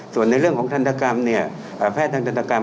ส่วนในเรื่องของทันตรกรรม